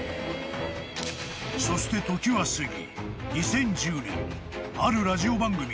［そして時は過ぎ］